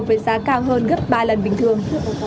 với giá cao hơn gấp ba lần bình thường